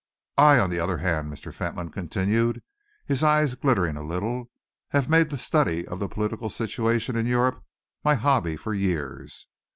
"I, on the other hand," Mr. Fentolin continued, his eyes glittering a little, "have made the study of the political situation in Europe my hobby for years.